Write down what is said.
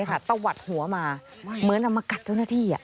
ตะวัดหัวมาเหมือนเอามากัดเจ้าหน้าที่